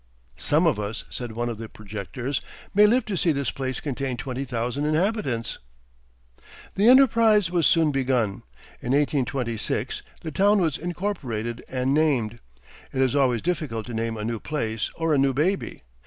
"Some of us," said one of the projectors, "may live to see this place contain twenty thousand inhabitants." The enterprise was soon begun. In 1826 the town was incorporated and named. It is always difficult to name a new place or a new baby.